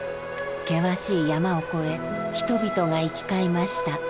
険しい山を越え人々が行き交いました。